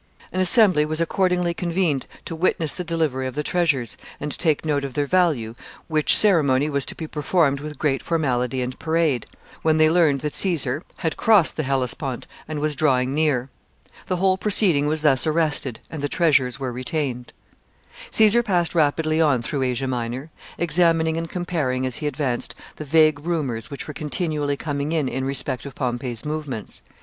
An assembly was accordingly convened to witness the delivery of the treasures, and take note of their value, which ceremony was to be performed with great formality and parade, when they learned that Caesar had crossed the Hellespont and was drawing near. The whole proceeding was thus arrested, and the treasures were retained. [Sidenote: Caesar in Asia Minor.] [Sidenote: He sails for Egypt.] Caesar passed rapidly on through Asia Minor, examining and comparing, as he advanced, the vague rumors which were continually coming in in respect to Pompey's movements.